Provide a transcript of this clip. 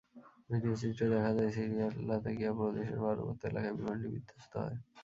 ভিডিওচিত্রে দেখা যায়, সিরিয়ার লাতাকিয়া প্রদেশের পার্বত্য এলাকায় বিমানটি বিধ্বস্ত হয়।